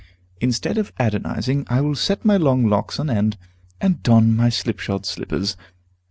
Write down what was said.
Instead of Adonizing, I will set my long locks on end, and don my slipshod slippers.